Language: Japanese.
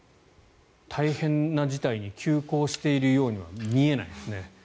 大変な事態に急行しているようには見えないですね。